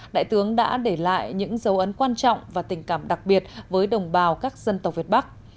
đại tướng đã để lại những dấu ấn quan trọng và tình cảm đặc biệt với đồng bào các dân tộc việt bắc